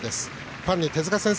ファンに手塚先生